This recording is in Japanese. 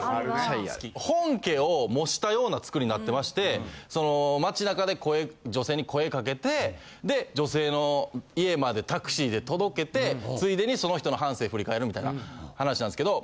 本家を模したような作りなってまして街中で女性に声かけて女性の家までタクシーで届けてついでにその人の半生振り返るみたいな話なんですけど。